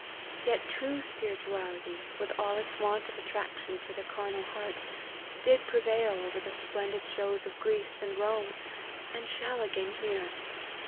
Yet true spirituality, with all its want of attraction for the carnal heart, did prevail over the splendid shows of Greece and Rome, and shall again here.